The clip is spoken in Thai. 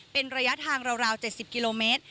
เป็นระยะทางราว๗๐กิโลเมตร